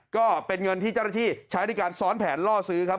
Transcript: ก็เป็นเงินที่เจ้าหน้าที่ใช้ในการซ้อนแผนล่อซื้อครับ